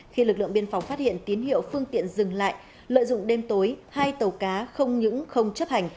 khi lực lượng biên phòng phát hiện tín hiệu phương tiện dừng lại lợi dụng đêm tối hai tàu cá không những không chấp hành